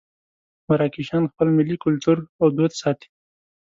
مراکشیان خپل ملي کولتور او دود ساتي.